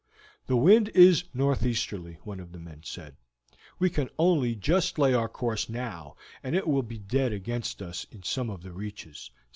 "The wind is northeasterly," one of them said. "We can only just lay our course now, and it will be dead against us in some of the reaches.